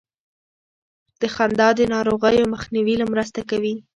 خندا د ناروغیو مخنیوي کې مرسته کوي.